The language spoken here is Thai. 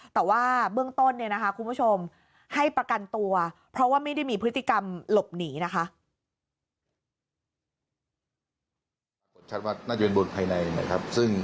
แต่ว่าเบื้องต้นเนี่ยนะคะคุณผู้ชมให้ประกันตัวเพราะว่าไม่ได้มีพฤติกรรมหลบหนีนะคะ